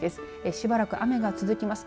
しばらく雨が続きます。